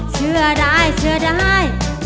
เชื่อได้เชื่อได้